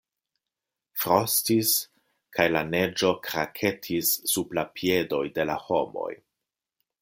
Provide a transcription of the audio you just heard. Frostis kaj la neĝo kraketis sub la piedoj de la homoj.